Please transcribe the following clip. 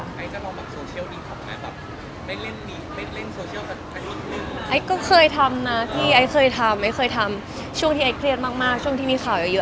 ไอ้ก็เคยทำนะพี่ไอ้เคยทำไอ้เคยทำช่วงที่ไอ้เครียดมากช่วงที่มีข่าวอยู่